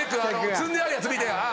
積んであるやつ見てあっ